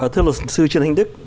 thưa luật sư trương anh tức